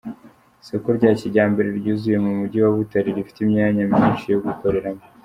Isoko rya kijyambere ryuzuye mu mugi wa Butare rifite imyanya myinshi yo gukoreramo.